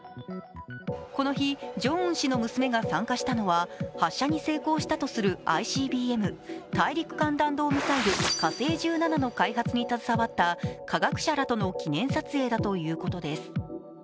この日、ジョンウン氏の娘が参加したのは発射に成功したとするＩＣＢＭ＝大陸間弾道ミサイル火星１７の開発に携わった科学者らとの記念撮影だということです。